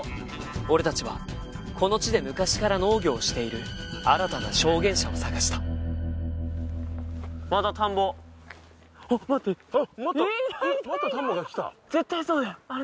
俺達はこの地で昔から農業をしている新たな証言者を探したまた田んぼあっ待ってあっまたまた田んぼがきた絶対そうだよあれ